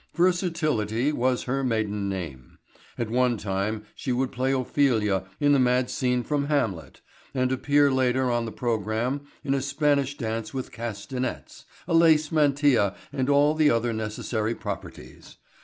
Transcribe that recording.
Versatility was her middle name. At one time she would play Ophelia in the mad scene from "Hamlet" and appear later on the program in a Spanish dance with castanets, a lace mantilla and all the other necessary properties.